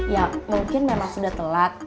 ya mungkin memang sudah telat